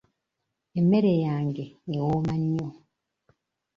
Emmere yange ewooma nnyo.